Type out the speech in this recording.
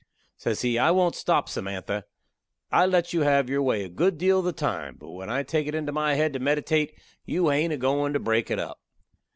Says he, "I won't stop, Samantha. I let you have your way a good deal of the time; but when I take it into my head to meditate, you hain't a goin' to break it up."